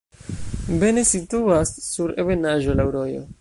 Bene situas sur ebenaĵo, laŭ rojo.